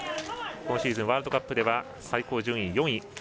今シーズン、ワールドカップでは最高順位、４位。